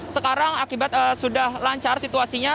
sekarang akibat sudah lancar situasinya